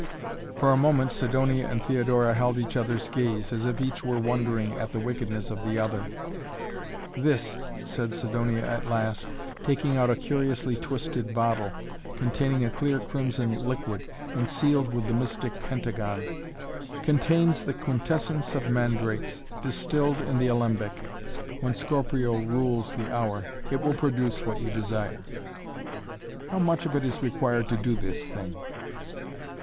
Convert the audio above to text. For a moment Sidonia and Theodora held each other's gaze, as if each were wondering at the wickedness of the other. "This," Sidonia said at last, taking out a curiously twisted bottle, containing a clear crimson liquid and sealed with the mystic Pentagon, "contains the quintessence of mandrakes, distilled in the alembic, when Scorpio rules the hour. It will produce what you desire." "How much of it is required to do this thing?"